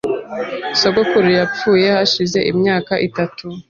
Sogokuru yapfuye hashize imyaka itatu .